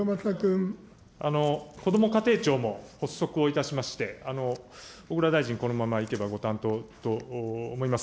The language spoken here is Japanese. こども家庭庁も発足をいたしまして、小倉大臣、このままいけばご担当と思います。